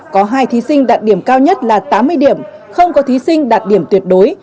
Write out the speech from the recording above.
có hai thí sinh đạt điểm cao nhất là tám mươi điểm không có thí sinh đạt điểm tuyệt đối